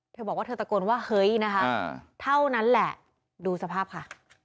เธอบอกว่าเธอตะโกนว่าเฮ้ยนะคะเท่านั้นแหละดูสภาพค่ะ